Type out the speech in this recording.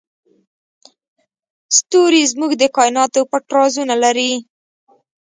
ستوري زموږ د کایناتو پټ رازونه لري.